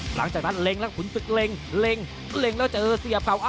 หลังจากนั้นเล็งแล้วขุนศึกเล็งเล็งเล็งแล้วเจอเสียบเขา